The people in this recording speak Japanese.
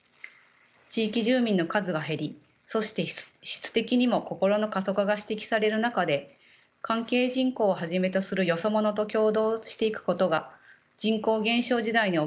地域住民の数が減りそして質的にも心の過疎化が指摘される中で関係人口をはじめとするよそ者と協働していくことが人口減少時代における地域再生の一つの方向性ではないでしょうか。